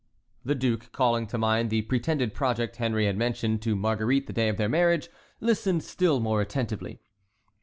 The duke, calling to mind the pretended project Henry had mentioned to Marguerite the day of their marriage, listened still more attentively.